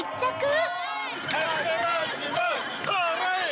それ！